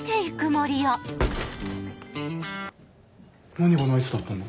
何がナイスだったんだ？